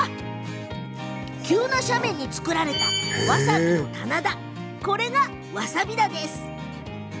急な斜面に作られたわさびの棚田わさび田です。